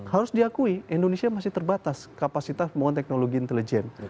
harus diakui indonesia masih terbatas kapasitas pembangunan teknologi intelijen